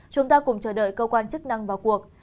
chúng ta cùng chờ đợi cơ quan chức năng vào cuộc